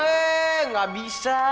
eh gak bisa